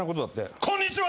こんにちは！